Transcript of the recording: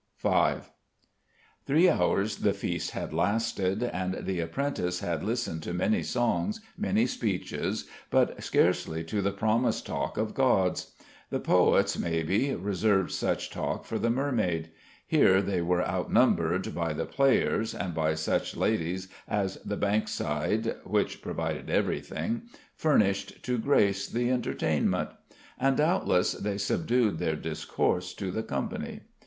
V Three hours the feast had lasted: and the apprentice had listened to many songs, many speeches, but scarcely to the promised talk of gods. The poets, maybe, reserved such talk for the Mermaid. Here they were outnumbered by the players and by such ladies as the Bankside (which provided everything) furnished to grace the entertainment; and doubtless they subdued their discourse to the company.